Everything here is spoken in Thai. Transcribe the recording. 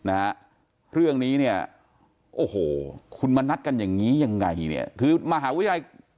นะฮะเรื่องนี้เนี่ยโอ้โหคุณมานัดกันอย่างงี้ยังไงเนี่ยคือมหาวิทยาลัย